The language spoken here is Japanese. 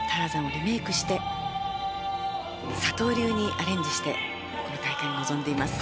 リメイクして佐藤流にアレンジしてこの大会に臨んでいます。